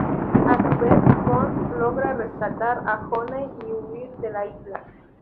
A su vez Bond logra rescatar a Honey y huir de la isla.